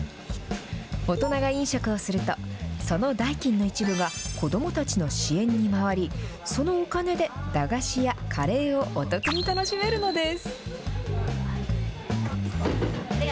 大人が飲食をすると、その代金の一部が子どもたちの支援に回り、そのお金で、駄菓子やカレーをお得に楽しめるのです。